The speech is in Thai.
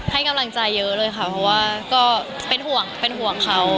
ให้กำลังใจเยอะเลยค่ะเพราะว่าก็เป็นห่วงเป็นห่วงเขา